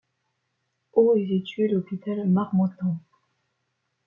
Aux est situé l'hôpital Marmottan.